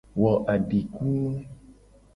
Wo adikunu.